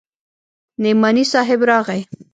نعماني صاحب راغى.